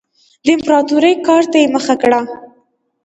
د امپراتورۍ ګارډ ته یې مخه کړه.